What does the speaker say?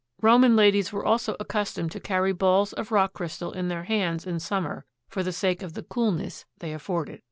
Roman ladies were also accustomed to carry balls of rock crystal in their hands in summer for the sake of the coolness they afforded.